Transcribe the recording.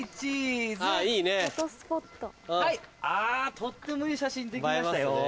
とってもいい写真できましたよ。